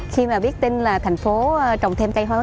khi mà biết tin là thành phố trồng thêm cây hoa